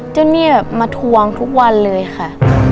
เจ้านี่มาทวงทุกวันเลยค่ะ